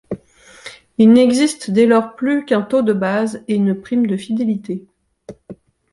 Il n'existe dès lors plus qu'un taux de base et une prime de fidélité.